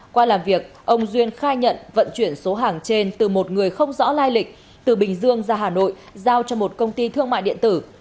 qua làm việc ông duyên khai nhận vận chuyển số hàng trên từ một người không rõ lai lịch từ bình dương ra hà nội giao cho một công ty thương mại điện tử